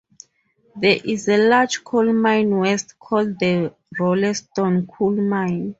There is a large coal mine west called the Rolleston coal mine.